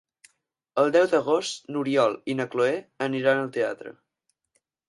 El deu d'agost n'Oriol i na Cloè aniran al teatre.